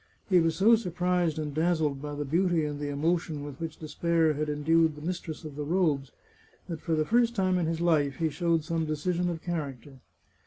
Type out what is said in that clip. He was so surprised and dazzled by the beauty and the emotion with which despair had endued the mistress of the robes, that for the first time in his life he showed some decision of character.